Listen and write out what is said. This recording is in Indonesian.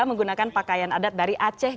menggunakan pakaian adat dari aceh